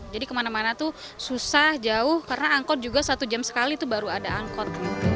jadi kemana mana tuh susah jauh karena angkot juga satu jam sekali tuh baru ada angkot